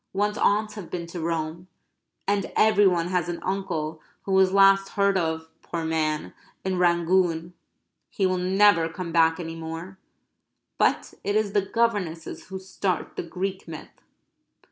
One's aunts have been to Rome; and every one has an uncle who was last heard of poor man in Rangoon. He will never come back any more. But it is the governesses who start the Greek myth.